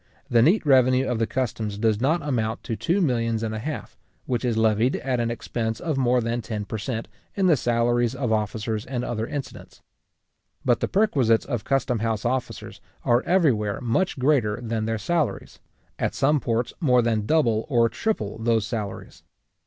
The neat revenue of the customs does not amount to two millions and a half, which is levied at an expense of more than ten per cent., in the salaries of officers and other incidents. But the perquisites of custom house officers are everywhere much greater than their salaries; at some ports more than double or triple those salaries.